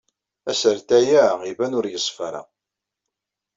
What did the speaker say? Asertay-a iban ur yeṣfi ara.